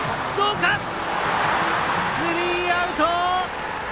スリーアウト！